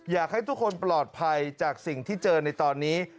อยากให้ทุกคนปลอดภัยจากสิ่งที่เจอในตอนนี้